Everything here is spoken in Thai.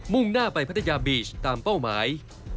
่งหน้าไปพัทยาบีชตามเป้าหมาย